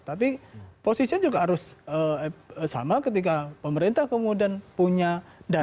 tapi posisinya juga harus sama ketika pemerintah kemudian punya data